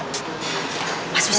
gue mau pergi ke rumah